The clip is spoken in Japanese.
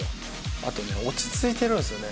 あとね、落ち着いてるんですよね。